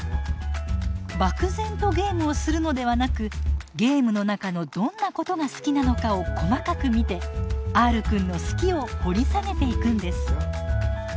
漠然とゲームをするのではなくゲームの中のどんなことが好きなのかを細かく見てＲくんの「好き」を掘り下げていくんです。